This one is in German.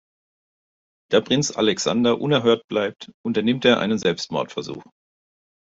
Da Prinz Alexander unerhört bleibt, unternimmt er einen Selbstmordversuch.